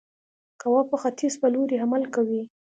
قوه په ختیځ په لوري عمل کوي.